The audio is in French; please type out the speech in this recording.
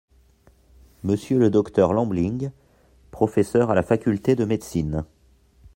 Monsieur le Dr Lambling, professeur à la Faculté de médecine.